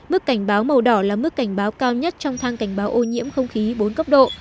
mức cảnh báo màu đỏ là mức cảnh báo cao nhất trong thang cảnh báo ô nhiễm không khí bốn cấp độ